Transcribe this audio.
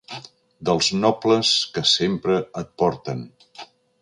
Dels nobles que sempre et porten.